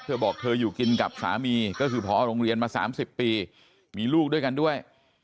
เธอบอกเธออยู่กินกับสามีก็คือพอโรงเรียนมา๓๐ปีมีลูกด้วยกันด้วย